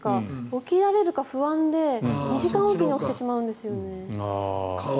起きられるか不安で２時間おきに起きてしまうんですよね。